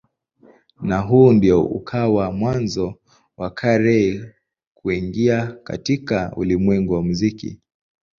Na huu ndio ukawa mwanzo wa Carey kuingia katika ulimwengu wa muziki.